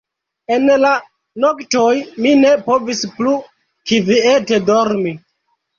En la noktoj mi ne povis plu kviete dormi.